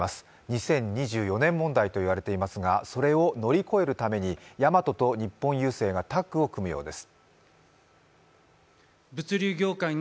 ２０２４年問題といわれていますがそれを乗り越えるためにヤマトと日本郵政がタッグを組むようです。